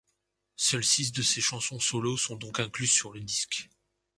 Seuls six de ses chansons solo sont donc incluses sur le disque.